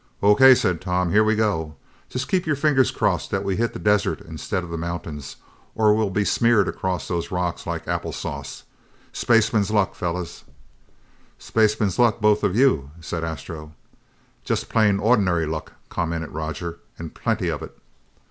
"O.K.," said Tom. "Here we go. Just keep your fingers crossed that we hit the desert instead of the mountains, or we'll be smeared across those rocks like applesauce. Spaceman's luck, fellas!" "Spaceman's luck, both of you," said Astro. "Just plain ordinary luck," commented Roger, "and plenty of it!"